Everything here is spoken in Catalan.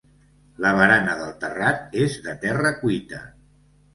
La barana del terrat és de terra cuita.